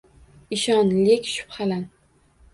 Ishon, lek shubhalan